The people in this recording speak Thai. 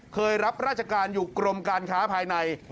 รับราชการอยู่กรมการค้าภายใน